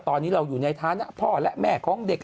ตอนนี้เราอยู่ในฐานะพ่อและแม่ของเด็ก